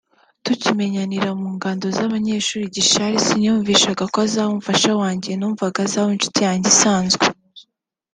“Tukimenyanira mu ngando z’abanyeshuri i Gishari siniyumvishaga ko azaba umufasha wanjye numvaga azaba inshuti yanjye isanzwe